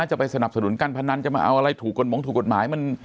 จะไปสนับสนุนการพนันจะมาเอาอะไรถูกกฎหมายถูกกฎหมาย